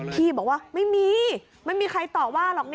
พี่บอกว่าไม่มีไม่มีใครต่อว่าหรอก